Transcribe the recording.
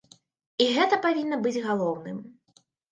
І гэта павінна быць галоўным.